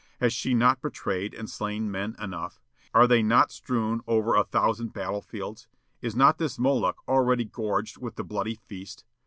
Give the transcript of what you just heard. Has she not betrayed and slain men enough? Are they not strewn over a thousand battle fields? Is not this Moloch already gorged with the bloody feast?